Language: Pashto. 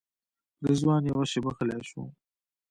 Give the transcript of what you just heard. رضوان یوه شېبه غلی شو.